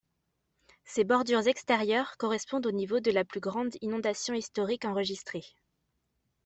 Ses bordures extérieures correspondent au niveau de la plus grande inondation historique enregistrée.